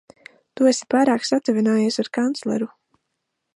Tu esi pārāk satuvinājies ar kancleru.